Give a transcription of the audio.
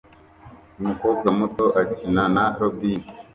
Umukobwa muto akina na robine